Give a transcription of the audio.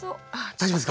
大丈夫ですか？